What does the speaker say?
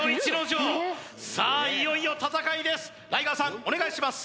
いよいよ戦いです